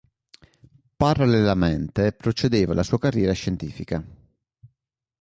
Parallelamente procedeva la sua carriera scientifica.